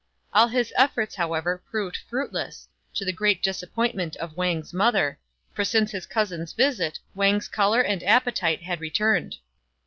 All his efforts, however, proved fruitless, to the great disappointment of Wang's mother; for since his cousin's visit Wang's colour and appetite had returned.